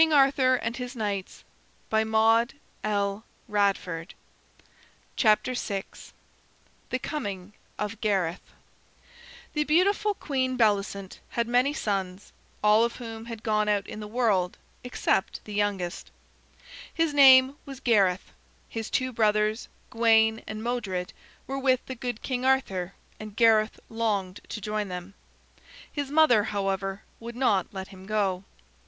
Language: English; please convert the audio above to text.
[Illustration: The Knight with the Sword] THE COMING of GARETH The beautiful Queen Bellicent had many sons, all of whom had gone out in the world except the youngest. His name was Gareth. His two brothers, Gawain and Modred, were with the good King Arthur, and Gareth longed to join them. His mother, however, would not let him go.